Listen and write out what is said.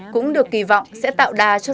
cũng được kỳ vọng sẽ tạo đà cho